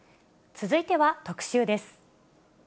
続いては特集です。